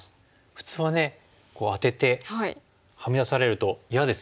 普通はアテてはみ出されると嫌ですよね。